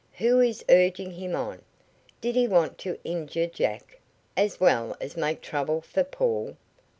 "Who is urging him on? Did he want to injure Jack, as well as make trouble for Paul?